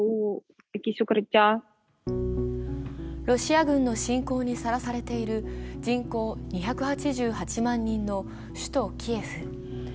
ロシア軍の侵攻にさらされている人口２８８万人の首都キエフ。